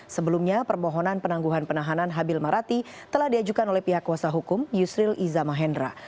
sebelumnya permohonan penangguhan penahanan habil marati telah diajukan oleh pihak kuasa hukum yusril iza mahendra